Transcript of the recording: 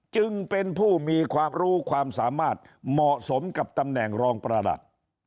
จึงเป็นผู้มีความรู้ความสามารถเหมาะสมกับตำแหน่งรองประหลัด